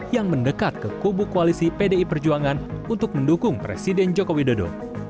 yang mendekat ke kubu koalisi pdi perjuangan untuk mendukung presiden joko widodo